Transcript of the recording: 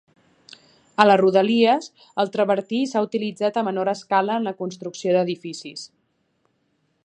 A les rodalies, el travertí s'ha utilitzat a menor escala en la construcció d'edificis.